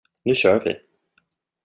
Nu kör vi.